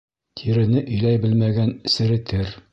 Тирене иләй белмәгән серетер.